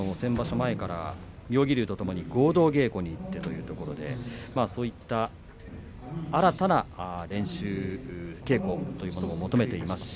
前から妙義龍とともに合同稽古に行ってそういった新たな練習稽古というものを求めています。